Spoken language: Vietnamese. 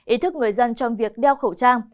ý thức người dân trong việc đeo khẩu trang